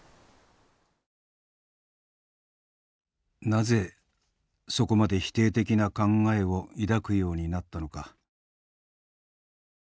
なぜそこまで否定的な考えを抱くようになったのか。